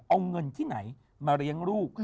เอาเงินที่ไหนมาเลี้ยงลูก